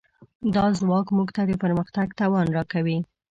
دا ځواک موږ ته د پرمختګ توان راکوي.